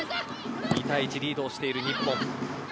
２対１リードしている日本。